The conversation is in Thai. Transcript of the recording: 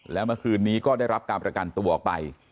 แล้วเมื่อคืนนี้ก็ได้รับการประกันตัวออกไป